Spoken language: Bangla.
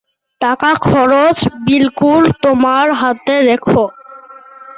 টাকাখরচ বিলকুল তোমার হাতে রেখো।